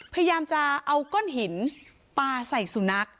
พยายามจะเอาก้อนหินปลาใส่สุนัข